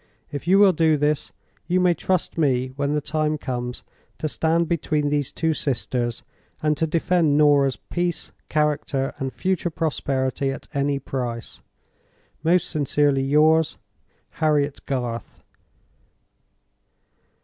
If you will do this, you may trust me, when the time comes, to stand between these two sisters, and to defend Norah's peace, character, and future prosperity at any price. "Most sincerely yours, "HARRIET GARTH."